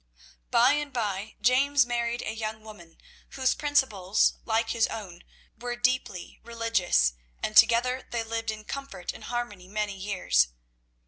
By and by James married a young woman, whose principles, like his own, were deeply religious, and together they lived in comfort and harmony many years.